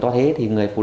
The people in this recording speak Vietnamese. vì mình có chắc